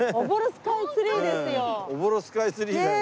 朧スカイツリーだよね。